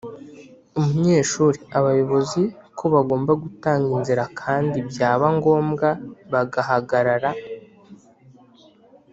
umunyeshuri abayobozi ko bagomba Gutanga inzira kandi byaba ngombwa bagahagarara